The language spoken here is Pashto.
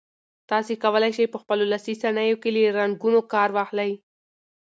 تاسي کولای شئ په خپلو لاسي صنایعو کې له رنګونو کار واخلئ.